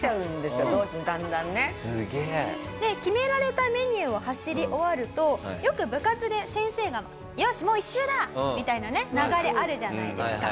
すげえ。で決められたメニューを走り終わるとよく部活で先生が「よし！もう１周だ！」みたいなね流れあるじゃないですか。